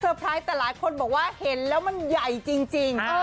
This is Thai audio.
ไพรส์แต่หลายคนบอกว่าเห็นแล้วมันใหญ่จริง